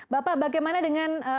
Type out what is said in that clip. bapak bagaimana dengan